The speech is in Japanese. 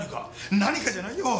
何かじゃないよ！